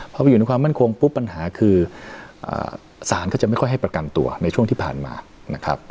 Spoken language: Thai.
พอไปอยู่ในความมั่นคงปุ๊บปัญหาคือสารก็จะไม่ค่อยให้ประกันตัวในช่วงที่ผ่านมานะครับ